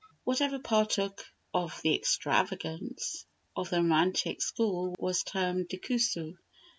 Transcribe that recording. Whatever partook of the extravagance of the Romantic school was termed décousu.